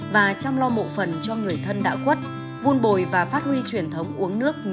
và chăm lo mộ phần cho người thân đã quất vun bồi và phát huy truyền thống uống nước nhớ nguồn của dân tộc